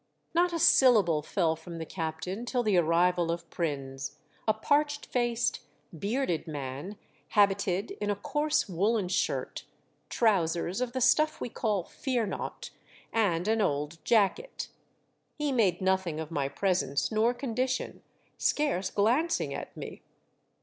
93 Not a syllable fell from the captain till the arrival of Prins, a parched faced, bearded man, habited in a coarse woollen shirt, trousers of the stuff we call fearnaught, and an old jacket. He made nothing of my presence nor condition, scarce glancing at me.